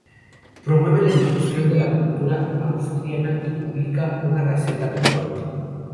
Promueve la difusión de la cultura asturiana y publica una Gaceta mensual.